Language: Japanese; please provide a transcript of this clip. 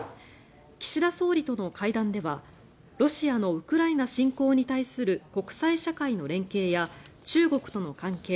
岸田総理との会談ではロシアのウクライナ侵攻に対する国際社会の連携や中国との関係